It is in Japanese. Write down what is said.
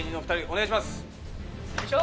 お願いします。